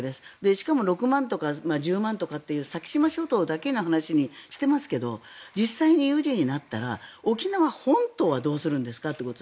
しかも６万とか１０万とかという先島諸島だけの話にしていますが実際有事になったら沖縄本島はどうするかということ。